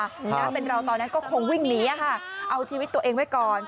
นะเป็นเราตอนนั้นก็คงวิ่งหนีอะค่ะเอาชีวิตตัวเองไว้ก่อน